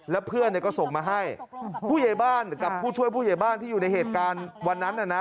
แล้วเพื่อนก็ส่งมาให้ผู้เยายบ้านกับผู้ช่วยผู้เยียบ้านที่อยู่ในเหตุการณ์วันนั้นนะ